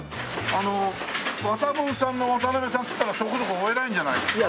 あの渡文さんの渡邉さんっつったらそこそこお偉いんじゃないですか？